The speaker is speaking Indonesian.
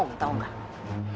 aku akan terus jaga kamu